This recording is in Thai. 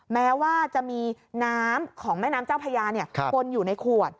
แม้ว่าจะมีน้ำของแม่น้ำเจ้าพญาปนอยู่ในขวด